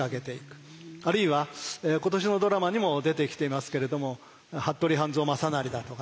あるいは今年のドラマにも出てきていますけれども服部半蔵正成だとかね。